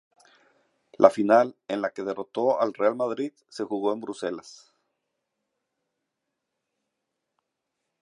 La final, en la que derrotó al Real Madrid, se jugó en Bruselas.